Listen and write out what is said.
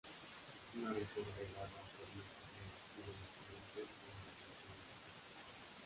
Es una región regada por muchos ríos cuyo nacimiento son en las montañas mismas.